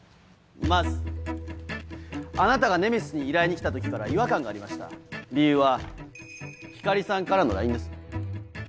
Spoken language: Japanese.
まずあなたがネメシスに依頼に来た時から違和感がありました理由は光莉さんからのＬＩＮＥです。